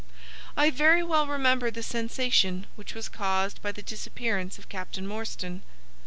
"I very well remember the sensation which was caused by the disappearance of Captain Morstan.